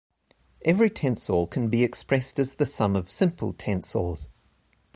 Every tensor can be expressed as a sum of simple tensors.